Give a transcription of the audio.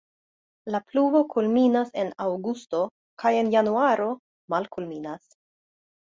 La pluvo kulminas en aŭgusto kaj en januaro malkulminas.